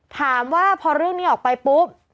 ถามว่าพอเรื่องนี้ออกไปปุ๊บ